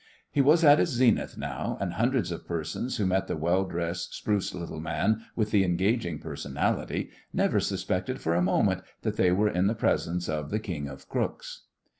He was at his zenith now, and hundreds of persons who met the well dressed, spruce little man with the engaging personality never suspected for a moment that they were in the presence of the King of Crooks.